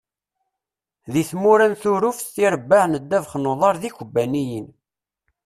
Di tmura n Turuft, tirebbaɛ n ddabex n uḍar d ikebbaniyin.